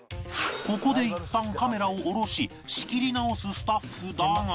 ここでいったんカメラを下ろし仕切り直すスタッフだが